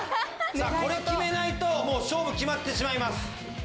さあこれ決めないともう勝負決まってしまいます。